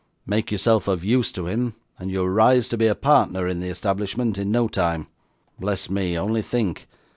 Make yourself of use to him, and you'll rise to be a partner in the establishment in no time. Bless me, only think!